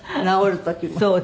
直る時も？